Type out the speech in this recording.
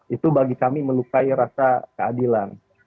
itu bagi kami melukai rasa keadilan